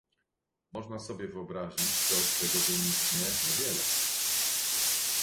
Można sobie wyobrazić, co z tego wyniknie - niewiele